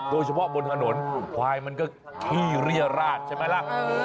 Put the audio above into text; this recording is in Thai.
โดยเฉพาะบนถนนควายมันก็ขี้เรียราชใช่ไหมล่ะ